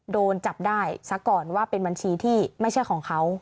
โดนจับได้ซะก่อนว่าเป็นบัญชีที่ไม่ใช่ของเขา